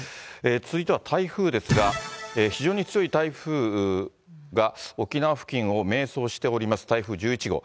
続いては台風ですが、非常に強い台風が沖縄付近を迷走しております台風１１号。